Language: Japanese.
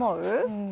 うん。